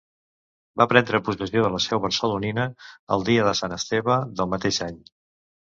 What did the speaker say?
Va prendre possessió de la seu barcelonina el dia de Sant Esteve del mateix any.